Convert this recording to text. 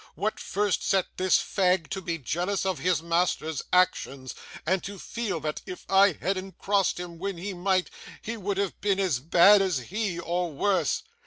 What first set this fag to be jealous of his master's actions, and to feel that, if he hadn't crossed him when he might, he would have been as bad as he, or worse?